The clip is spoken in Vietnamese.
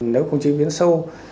nếu không chế biến sâu